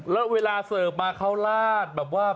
แล้วเวลาเสิร์ฟมาเขาลาดแบบว่า